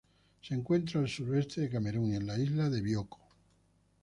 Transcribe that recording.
Se encuentra al suroeste de Camerún y en la isla de Bioko.